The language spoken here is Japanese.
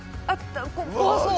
怖そう！